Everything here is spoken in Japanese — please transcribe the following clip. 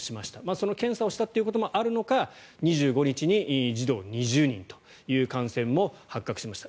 その検査をしたということもあるのか２５日に児童２０人という感染も発覚しました。